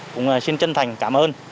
cũng xin chân thành cảm ơn